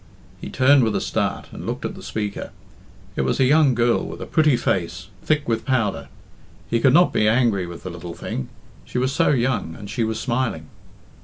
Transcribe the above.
He turned with a start, and looked at the speaker. It was a young girl with a pretty face, thick with powder. He could not be angry with the little thing; she was so young, and she was smiling.